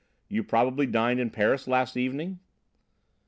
You probably dined in Paris last evening?"